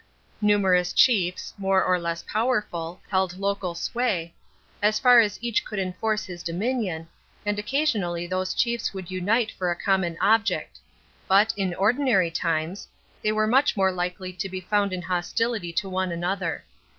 Numerous chiefs, more or less powerful, held local sway, as far as each could enforce his dominion, and occasionally those chiefs would unite for a common object; but, in ordinary times, they were much more likely to be found in hostility to one another.